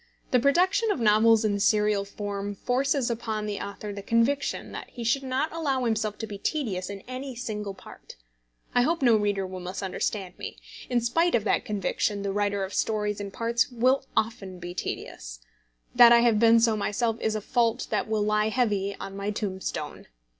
The production of novels in serial form forces upon the author the conviction that he should not allow himself to be tedious in any single part. I hope no reader will misunderstand me. In spite of that conviction, the writer of stories in parts will often be tedious. That I have been so myself is a fault that will lie heavy on my tombstone.